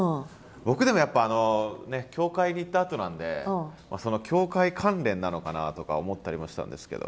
僕でもやっぱあのね教会に行ったあとなんでその教会関連なのかなとか思ったりもしたんですけど。